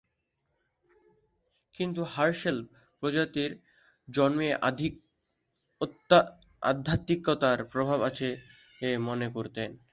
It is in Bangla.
কিন্তু হার্শেল প্রজাতির জন্মে আধ্যাত্মিকতার প্রভাব আছে মনে করতেন।